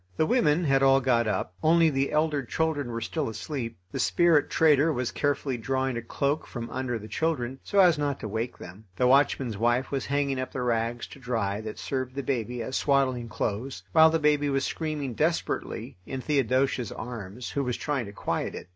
The women had all got up; only the elder children were still asleep. The spirit trader was carefully drawing a cloak from under the children, so as not to wake them. The watchman's wife was hanging up the rags to dry that served the baby as swaddling clothes, while the baby was screaming desperately in Theodosia's arms, who was trying to quiet it.